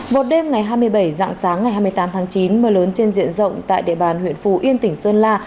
một đêm ngày hai mươi bảy dạng sáng ngày hai mươi tám tháng chín mưa lớn trên diện rộng tại địa bàn huyện phù yên tỉnh sơn la